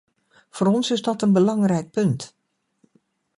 Voor ons is dat een belangrijk punt.